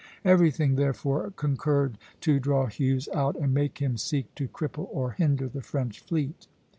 Everything, therefore, concurred to draw Hughes out, and make him seek to cripple or hinder the French fleet.